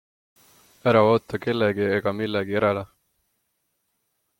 Ära oota kellegi ega millegi järele.